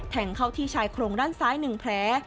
แทงเข้าที่ชายโครงด้านซ้าย๑แผล